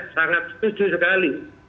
sangat setuju sekali